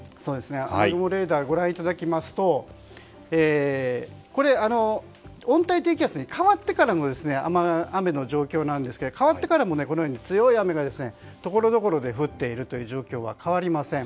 雨雲レーダーご覧いただきますと温帯低気圧に変わってからの雨の状況ですが、変わってからも強い雨がところどころで降っているという状況は変わりません。